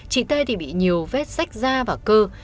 chị tây thì bị nhiều vết sách da và cơ